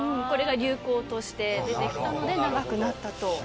これが流行として出て来たので長くなったと。